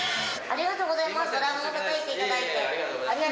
ありがとうございます。